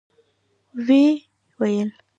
و يې ويل.